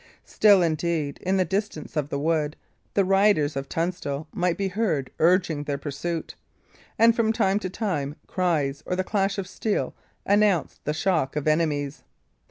Still, indeed, in the distance of the wood, the riders of Tunstall might be heard urging their pursuit; and from time to time cries or the clash of steel announced the shock of enemies.